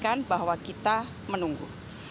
sampaikan bahwa kita menunggu